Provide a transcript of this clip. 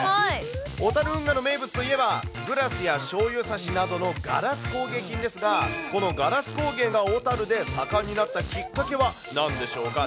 小樽運河の名物といえば、グラスやしょうゆ差しなどのガラス工芸品ですが、このガラス工芸が、小樽で盛んになったきっかけはなんでしょうか。